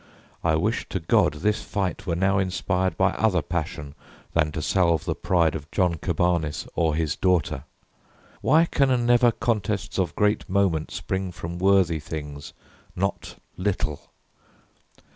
I wish to God this fight were now inspired By other passion than to salve the pride Of John Cabanis or his daughter. Why Can never contests of great moment spring From worthy things, not little?